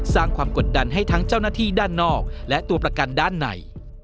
สร้างความกดดันให้ทั้งเจ้าหน้าที่ด้านนอกและตัวประกันด้านใน